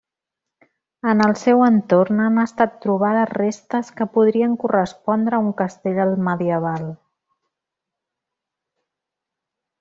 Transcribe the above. En el seu entorn han estat trobades restes que podrien correspondre a un castell altmedieval.